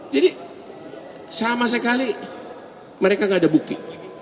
jadi sama sekali mereka nggak ada bukti